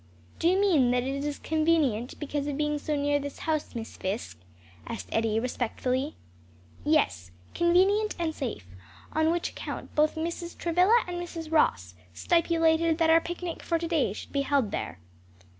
"Do you mean that it is convenient, because of being so near this house, Miss Fisk?" asked Eddie respectfully. "Yes, convenient and safe; on which account both Mrs. Travilla and Mrs. Ross stipulated that our picnic for to day should be held there."